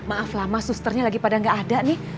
maaf lama susternya lagi pada nggak ada nih